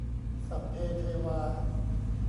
สัพเพเทวา